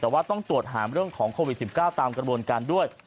แต่ว่าต้องตรวจหาเรื่องของโควิด๑๙ตามกระบวนการด้วย